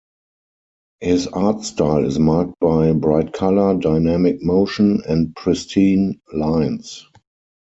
His art style is marked by bright color, dynamic motion and pristine lines.